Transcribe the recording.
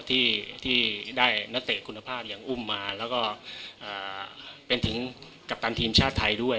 ที่ได้นักเตะคุณภาพอย่างอุ้มมาแล้วก็เป็นถึงกัปตันทีมชาติไทยด้วย